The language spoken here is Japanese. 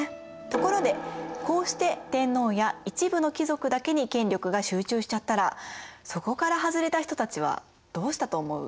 ところでこうして天皇や一部の貴族だけに権力が集中しちゃったらそこから外れた人たちはどうしたと思う？